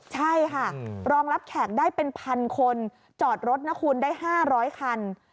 ใช่ค่ะรองรับแขกได้เป็นพันคนจอดรถนะคุณได้๕๐๐คัน